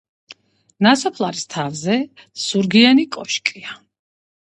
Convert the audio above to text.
ნასოფლარის თავზე ზურგიანი კოშკია.